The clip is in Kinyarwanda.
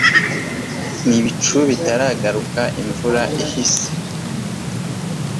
n'ibicu bitaragaruka imvura ihise